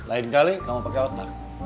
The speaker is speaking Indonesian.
lain kali kamu pakai otak